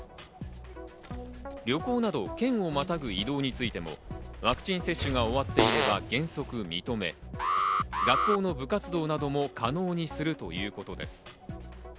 旅行など県をまたぐ移動についてもワクチン接種が終わっていれば原則認め、学校の部活動なども可能にするということです。